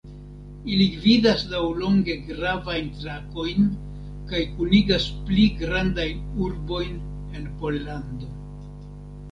Ili gvidas laŭlonge gravajn trakojn kaj kunigas pli grandajn urbojn en Pollando.